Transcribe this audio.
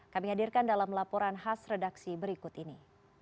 kami hadirkan dalam laporan khas redaksi berikut ini